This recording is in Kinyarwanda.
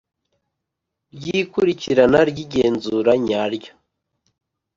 rw ikurikirana ry igenzura nyaryo